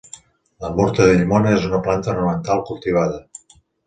La murta de llimona és una planta ornamental cultivada.